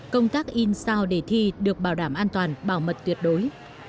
công tác in sao để thi được bảo đảm an toàn bảo mật tuyệt đối